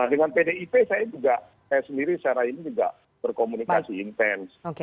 dengan pdit saya sendiri secara ini juga berkomunikasi intens